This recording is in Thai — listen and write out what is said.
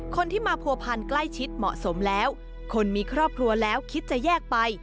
คนที่มาผัวพันใกล้ชิดเหมาะสมแล้วคนมีครอบครัวแล้วคิดจะแยกไป